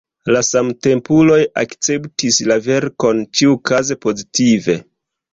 La samtempuloj akceptis la verkon ĉiukaze pozitive.